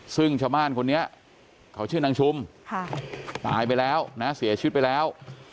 ซึ่งชาวบ้านคนนี้เขาชื่อนางชุมตายไปแล้วนะเสียชีวิตไปแล้ว